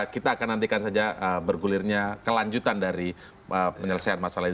kita akan nantikan saja bergulirnya kelanjutan dari penyelesaian masalah ini